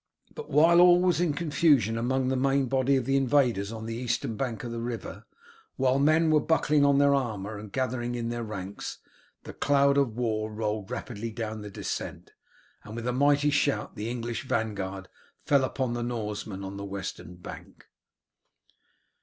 But while all was in confusion among the main body of the invaders on the eastern bank of the river, while men were buckling on their armour and gathering in their ranks, the cloud of war rolled rapidly down the descent, and with a mighty shout the English vanguard fell upon the Norsemen on the western bank.